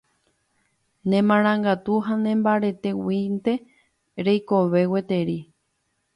Nemarangatu ha nembaretéguinte reikove gueteri.